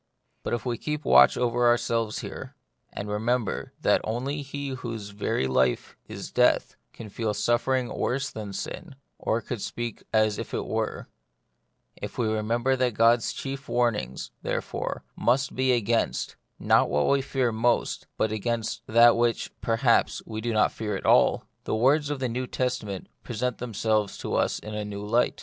But if we keep watch over ourselves here, and remember that only he whose very life is death can feel suffering worse than sin, or could speak as if it were ; if we remember that God's chief warnings, therefore, must be against, not what we fear most, but against that which, perhaps, we do not fear at all, the words of the New Testament present them selves to us in a new light.